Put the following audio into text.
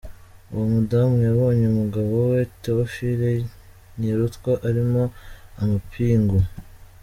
Uwo mudame yabonye umugabo we Théophile Ntirutwa arimo amapingu.